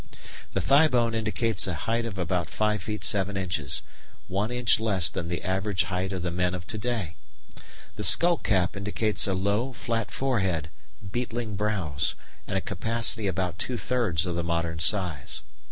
The thigh bone indicates a height of about 5 feet 7 inches, one inch less than the average height of the men of to day. The skull cap indicates a low, flat forehead, beetling brows, and a capacity about two thirds of the modern size.